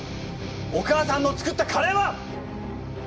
お母さんの作ったカレーは！